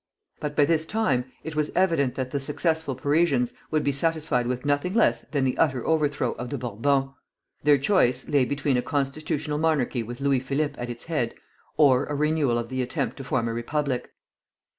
But by this time it was evident that the successful Parisians would be satisfied with nothing less than the utter overthrow of the Bourbons. Their choice lay between a constitutional monarchy with Louis Philippe at its head, or a renewal of the attempt to form a republic.